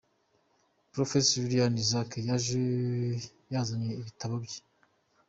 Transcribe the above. Prophetess Eliane Isaac yaje yazanye ibitabo bye,.